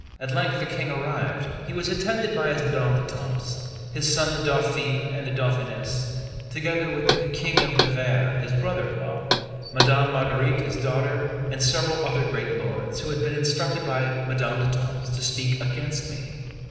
At length the King arrived; he was attended by his Madame d'Etampes, his son the Dauphin and the Dauphinéss, together with the King of Navarre his brother in law, Madame Marguerite his daughter, and several other great lords, who had been instructed by Madame d'Etampes to speak against me.